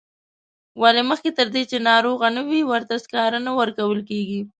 ولې مخکې تر دې چې ناروغه نه وي ورته سکاره نه ورکول کیږي.